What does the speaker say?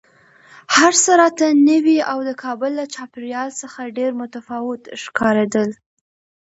هر څه راته نوي او د کابل له چاپېریال څخه ډېر متفاوت ښکارېدل